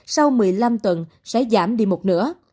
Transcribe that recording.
sau một mươi năm tuần sẽ giảm đi một nửa